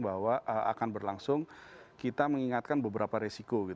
bahwa akan berlangsung kita mengingatkan beberapa resiko